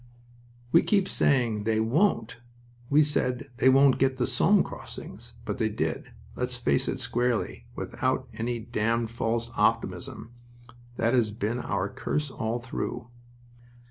"We keep on saying, 'They won't.' We said, 'They won't get the Somme crossings!' but they did. Let's face it squarely, without any damned false optimism. That has been our curse all through."